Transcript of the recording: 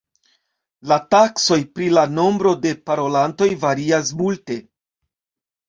La taksoj pri la nombro de parolantoj varias multe.